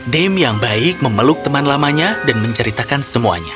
dame yang baik memeluk teman lamanya dan menceritakan semuanya